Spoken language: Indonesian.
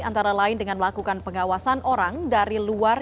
antara lain dengan melakukan pengawasan orang dari luar